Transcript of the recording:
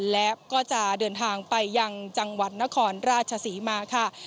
และก็จะเดินทางไปยังจังหวัดนครราชศรีมาค่ะ